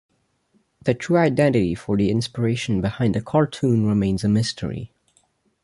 The true identity for the inspiration behind the cartoon remains a mystery.